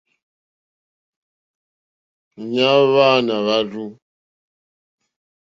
Ìŋwánà wûrzú.